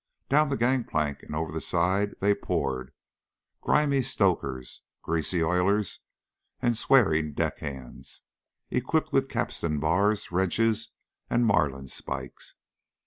Down the gang plank and over the side they poured, grimy stokers, greasy oilers, and swearing deckhands, equipped with capstan bars, wrenches, and marlin spikes.